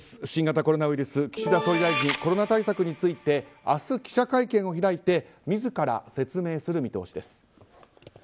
新型コロナウイルス岸田総理大臣コロナ対策について明日、記者会見を開いて自ら説明する見通しです。